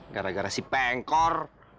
gara gara si pengkor